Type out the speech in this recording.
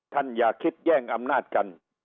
อย่าคิดแย่งอำนาจกัน